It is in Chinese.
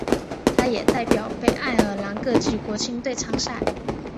他也代表北爱尔兰各级国青队参赛。